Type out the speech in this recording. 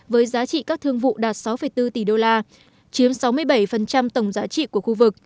với giá trị các thương vụ đạt sáu bốn tỷ đô la chiếm sáu mươi bảy tổng giá trị của khu vực